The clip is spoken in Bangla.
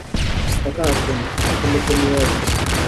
একা আসবে না, একটা লোককে নিয়ে আসবে।